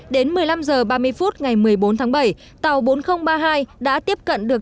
đến một mươi năm giờ ba mươi phút ngày một mươi bốn tháng bảy tàu bốn nghìn ba mươi hai đã tiếp cận được tàu bị đứt dây neo